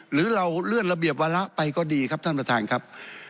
หรือเราเลื่อนระเบียบวาระไปก็ดีครับท่านประธานครับ